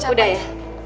cukup udah ya